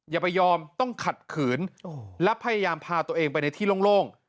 อย่าไปยอมต้องขัดขืนและพยายามพาตัวเองไปในที่โล่ง